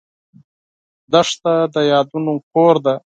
دښته د یادونو کور ده.